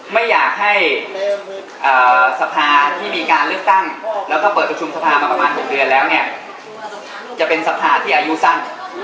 ไม่อยากให้สภาที่มีการเลือกตั้งแล้วก็เปิดประชุมสภามาประมาณ๖เดือนแล้วเนี่ยจะเป็นสภาที่อายุสั้น